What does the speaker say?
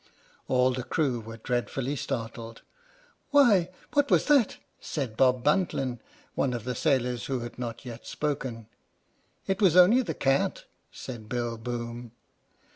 All the crew were dreadfully startled. "Why! what was that?" said Bob Buntline, one of the sailors who had not yet spoken. " It was only the cat," said Bill Boom.